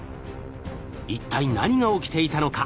一体何が起きていたのか？